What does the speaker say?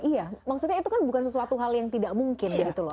iya maksudnya itu kan bukan sesuatu hal yang tidak mungkin gitu loh